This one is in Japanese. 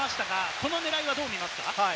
この狙いはどう見ますか？